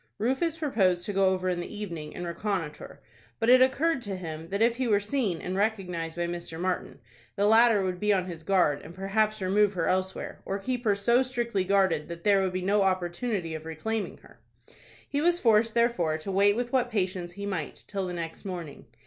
Rufus proposed to go over in the evening and reconnoitre, but it occurred to him that if he were seen and recognized by Mr. Martin, the latter would be on his guard, and perhaps remove her elsewhere, or keep her so strictly guarded that there would be no opportunity of reclaiming her. He was forced, therefore, to wait with what patience he might till the next morning.